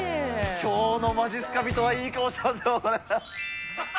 きょうのまじっすか人はいい顔してますよ、これ。